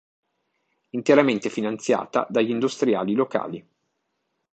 Interamente finanziata dagli industriali locali.